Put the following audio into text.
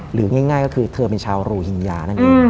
หรือง่ายก็คือเธอเป็นชาวบลูฮิง้า